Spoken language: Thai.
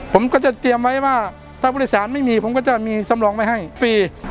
ผมก็จะเตรียมไว้ว่าถ้าผู้โดยสารไม่มีผมก็จะมีสำรองไว้ให้ฟรี